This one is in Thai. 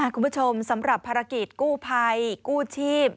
คุณผู้ชมสำหรับภารกิจกู้ภัยกู้ชีพ